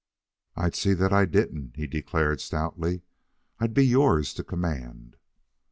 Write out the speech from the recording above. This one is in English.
"I'd see that I didn't," he declared stoutly. "I'd be yours to command."